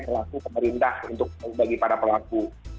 ke laku pemerintah untuk bagi para pelaku